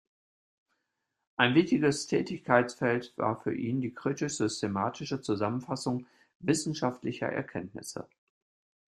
Ein wichtiges Tätigkeitsfeld war für ihn die kritisch-systematische Zusammenfassung wissenschaftlicher Erkenntnisse.